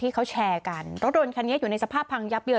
ที่เขาแชร์กันรถยนต์คันนี้อยู่ในสภาพพังยับเยิน